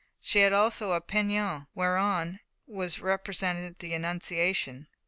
She had also a pennon, whereon was represented the Annunciation.